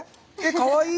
かわいい！